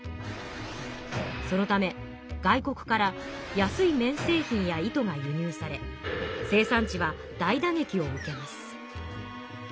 そのため外国から安い綿製品や糸が輸入され生産地は大打げきを受けます。